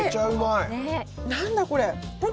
何だ、これ。